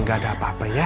gak ada apa apa ya